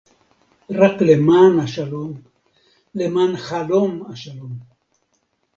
רק למען השלום, למען חלום השלום